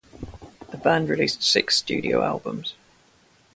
The band released six studio albums.